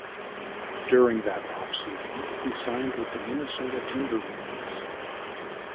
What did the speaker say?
During that offseason, he signed with the Minnesota Timberwolves.